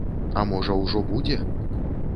А можа, ужо будзе?